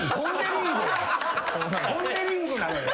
ポン・デ・リングなのよ。